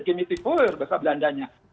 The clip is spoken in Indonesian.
gemitifur bahasa belandanya